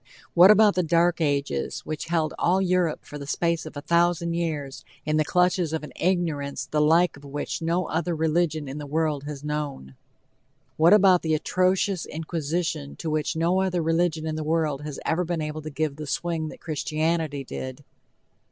What about the dark ages which held all Europe for the space of a thousand years in the clutches of an ignorance the like of which no other religion in the world had known? What about the atrocious inquisition to which no other religion in the world had ever been able to give the swing that Christianity did?